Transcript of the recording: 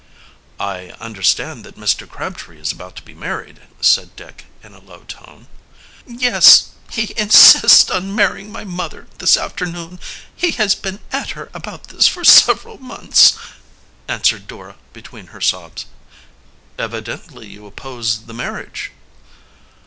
"I understand that Mr. Crabtree is about to be married," said Dick in a low tone. "Yes, he insists on marrying my mother this afternoon. He has been at her about this for several months," answered Dora between her sobs. "Evidently you oppose the marriage."